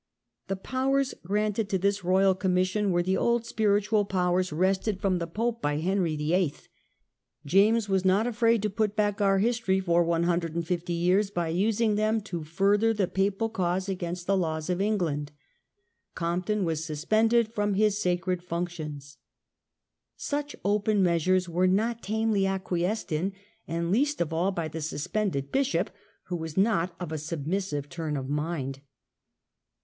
The powers granted to this royal commission A BAIT TO CATCH DISSENTERS. 93 were the old spiritual powers wrested from the Pope by Henry VIII. James was not afraid to put back our history for 150 years by using them to further the Papal cause against the laws of England. Compton was sus pended from his sacred functions. Such open measures were not tamely acquiesced in, and least of all by the suspended bishop, who was not of a submissive turn of mind.